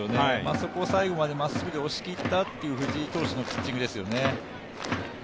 そこを最後までまっすぐで押し切ったという藤井投手のピッチングですよね。